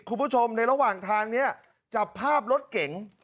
คุณผู้ชมในระหว่างทางนี้จับภาพรถเก๋ง